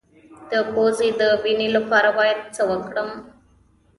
د پوزې د وینې لپاره باید څه وکړم؟